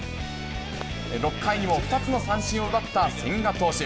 ６回にも２つの三振を奪った千賀投手。